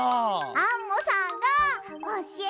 アンモさんがおしえてくれたの！